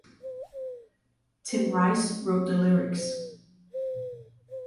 Tim Rice wrote the lyrics.